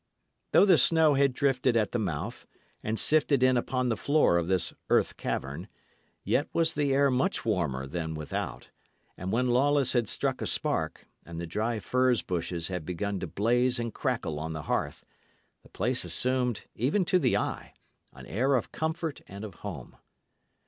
Though the snow had drifted at the mouth and sifted in upon the floor of this earth cavern, yet was the air much warmer than without; and when Lawless had struck a spark, and the dry furze bushes had begun to blaze and crackle on the hearth, the place assumed, even to the eye, an air of comfort and of home.